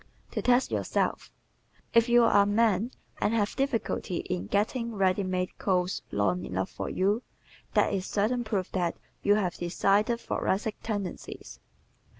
To Test Yourself ¶ If you are a man and have difficulty in getting ready made coats long enough for you this is certain proof that you have decided thoracic tendencies.